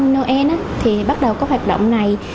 noel thì bắt đầu có hoạt động này